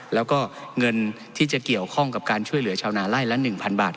แล้วก็เงินที่จะเกี่ยวข้องกับการช่วยเหลือชาวนาไล่ละ๑๐๐บาท